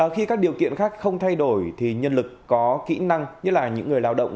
khi các điều kiện khác không thay đổi thì nhân lực có kỹ năng nhất là những người lao động